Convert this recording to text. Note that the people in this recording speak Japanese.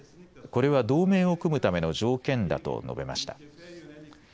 これは同盟を組むための条件だと述べました。